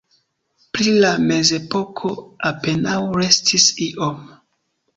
Pri la mezepoko apenaŭ restis iom.